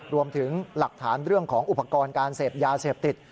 รวมถึงหลักฐานเรื่องของอุปกรณ์การเสพยาเสพติด